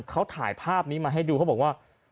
เขาถ่ายภาพนี้มาให้ดูเขาบอกว่า